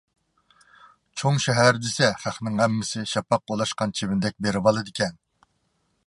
چوڭ شەھەر دېسە خەقنىڭ ھەممىسى شاپاققا ئولاشقان چىۋىندەك بېرىۋالىدىكەن.